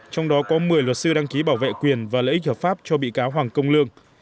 trong đó có một mươi luật sư đăng ký bảo vệ quyền và lợi ích hợp pháp cho bị cáo hoàng công lương